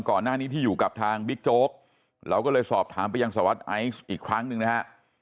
ก่อนหน้านี้ที่อยู่กับทางบิ๊กโจ๊กเราก็เลยสอบถามไปยังสหรัฐไอซ์อีกครั้งหนึ่งนะฮะ